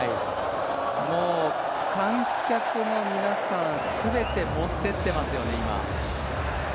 もう観客の皆さん全て持っていってますよね、今。